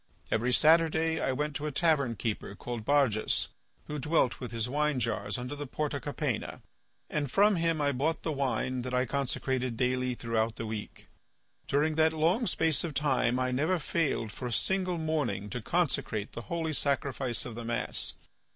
Every Saturday I went to a tavern keeper called Barjas, who dwelt with his wine jars under the Porta Capena, and from him I bought the wine that I consecrated daily throughout the week. During that long space of time I never failed for a single morning to consecrate the holy sacrifice of the mass.